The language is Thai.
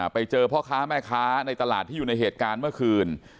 ไปเจอพ่อค้าแม่ค้าในตลาดที่อยู่ในเหตุการณ์เมื่อคืน